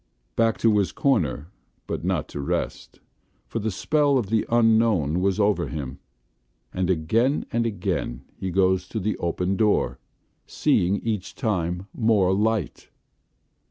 Back to his corner but not to rest, for the spell of the Unknown was over him, and again and again he goes to the open door, seeing each time more Light.